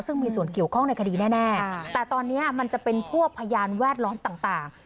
ซึ่งมีส่วนเกี่ยวข้องในคดีแน่แต่ตอนนี้มันจะเป็นพวกพยานแวดล้อมต่าง